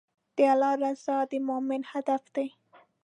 د الله رضا د مؤمن هدف دی.